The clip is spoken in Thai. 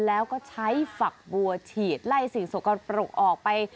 แล้วก็ใช้ฝักบัวฉีดไล่สิ่งสกปรกออกไป